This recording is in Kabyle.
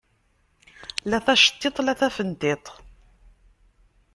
La taceṭṭiḍt la tafenṭiḍt.